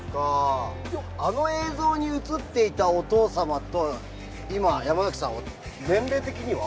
あの映像に映っていたお父様と今の山崎さんは年齢的には？